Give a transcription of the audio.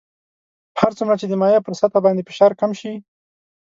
هر څومره چې د مایع پر سطح باندې فشار کم شي.